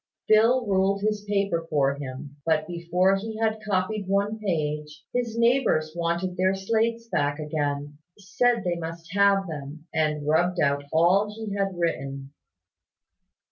Phil ruled his paper for him; but before he had copied one page, his neighbours wanted their slates back again, said they must have them, and rubbed out all he had written.